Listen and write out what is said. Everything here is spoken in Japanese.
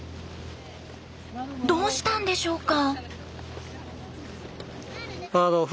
どうしたんでしょうか？